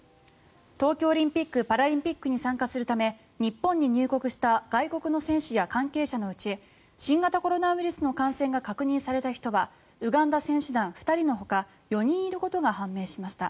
東京オリンピック・パラリンピックに参加するため日本に入国した外国の選手や関係者のうち新型コロナウイルスの感染が確認された人はウガンダ選手団２人のほか４人いることが判明しました。